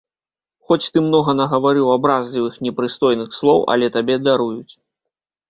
Хоць ты многа нагаварыў абразлівых, непрыстойных слоў, але табе даруюць.